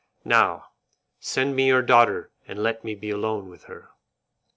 Now, send me your daughter and let me be alone with her."